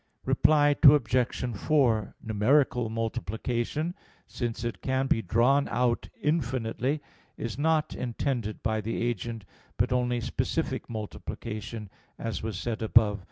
Reply Obj. 4: Numerical multiplication, since it can be drawn out infinitely, is not intended by the agent, but only specific multiplication, as was said above (Q.